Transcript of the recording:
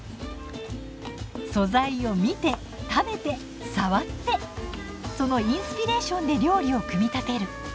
素材を見て食べて触ってそのインスピレーションで料理を組み立てる。